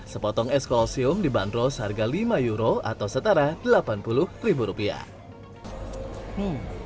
sepotong es colseum dibanderol seharga lima euro atau setara delapan puluh ribu rupiah